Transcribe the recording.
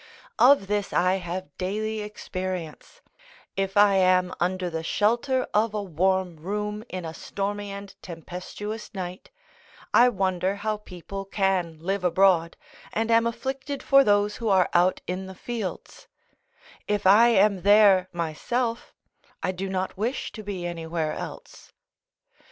Of this I have daily experience; if I am under the shelter of a warm room, in a stormy and tempestuous night, I wonder how people can live abroad, and am afflicted for those who are out in the fields: if I am there myself, I do not wish to be anywhere else.